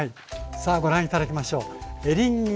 さあご覧頂きましょう。